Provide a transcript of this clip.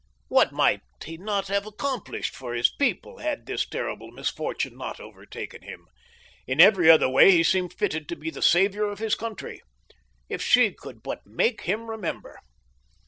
What might he not have accomplished for his people had this terrible misfortune not overtaken him! In every other way he seemed fitted to be the savior of his country. If she could but make him remember!